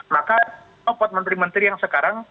maka copot menteri menteri yang sekarang